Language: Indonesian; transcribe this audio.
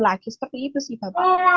lagi seperti itu sih bapak